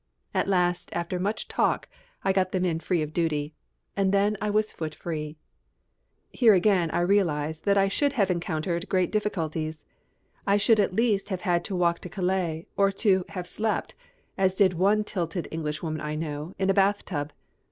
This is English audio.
At last after much talk I got them in free of duty. And then I was footfree. Here again I realise that I should have encountered great difficulties. I should at least have had to walk to Calais, or to have slept, as did one titled Englishwoman I know, in a bathtub.